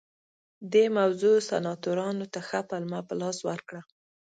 دې موضوع سناتورانو ته ښه پلمه په لاس ورکړه